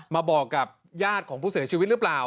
มาบอกกับญาติของผู้เสียชีวิตหรือเปล่า